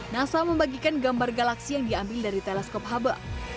nasa membagikan gambar galaksi yang diambil dari teleskop hubble